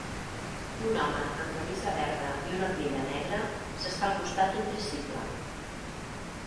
Un home amb camisa verda i una armilla negra s'està al costat d'un tricicle